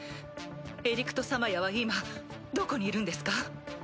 エリクト・サマヤは今どこにいるんですか？